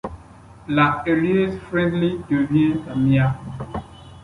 La Heuliez Friendly devient la mia.